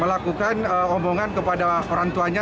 melakukan omongan kepada orang tuanya